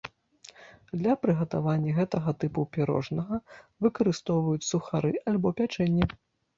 Для прыгатавання гэтага тыпу пірожнага выкарыстоўваюць сухары альбо пячэнне.